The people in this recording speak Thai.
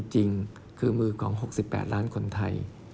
จริงคือมือของ๖๘ล้านคนไทย